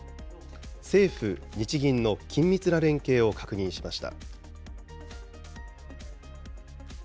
政府・日銀の緊密な連携を確認しました。